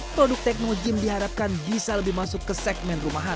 produk tekno gym diharapkan bisa lebih masuk ke segmen rumahan